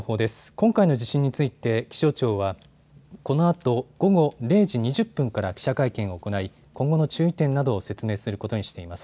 今回の地震について気象庁はこのあと午後０時２０分から記者会見を行い、今後の注意点などを説明することにしています。